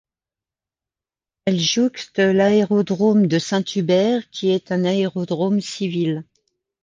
Elle jouxte l'aérodrome de Saint-Hubert, qui est un aérodrome civil.